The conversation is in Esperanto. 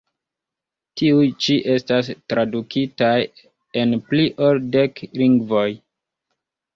Tiuj ĉi estas tradukitaj en pli ol dek lingvoj.